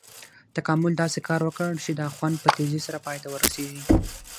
تکامل داسې کار وکړ چې دا خوند په تیزي سره پای ته ورسېږي.